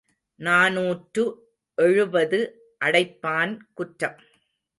நாநூற்று எழுபது அடைப்பான் குற்றம்.